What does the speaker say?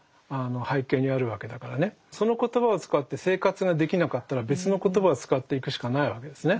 その言葉を使って生活ができなかったら別の言葉を使っていくしかないわけですね。